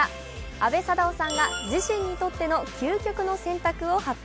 阿部サダヲさんが自身にとっての究極の選択を発表。